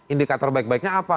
indikator baik baiknya apa